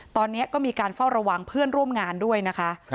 ตอนนี้ก็มีการเฝ้าระวังเพื่อนร่วมงานด้วยนะคะ